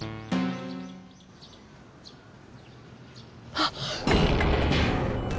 あっ！